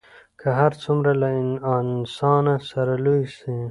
که هر څومره له انسانه سره لوی سي